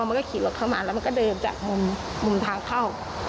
มันก็ขี่รถเข้ามาแล้วมันก็เดินจากมุมทางเข้า